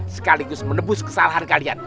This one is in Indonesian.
sekaligus menebus kesalahan kalian